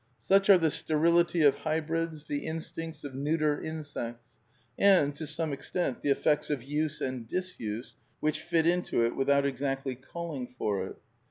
Such axe the sterility \ of hybrids, the instincts of neuter insects; and, to somej extent, the effects of use and disuse, which fit into it with j out exactly calling for it.